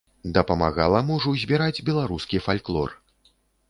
Дапамагала мужу збіраць беларускі фальклор.